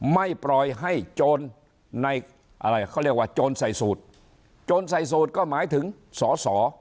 ไม่ปล่อยให้โจรในอะไรเขาเรียกว่าโจรใส่สูตรโจรใส่สูตรก็หมายถึงสอสอ